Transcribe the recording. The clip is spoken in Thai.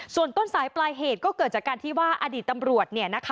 ส่วนต้นสายปลายเหตุก็เกิดจากการที่ว่าอดีตตำรวจ